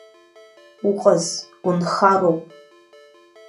Уҟаз, унхароуп.